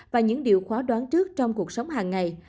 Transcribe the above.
và những điều khó đoán trước trong cuộc sống hàng ngày